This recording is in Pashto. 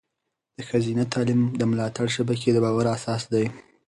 د ښځینه تعلیم د ملاتړ شبکې د باور اساس دی.